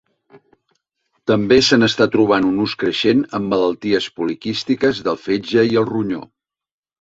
També se n'està trobant un ús creixent en malalties poliquístiques del fetge i el ronyó.